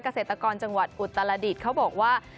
เกษตรกรจังหวัดอุตรดิษฐ์เขาบอกว่า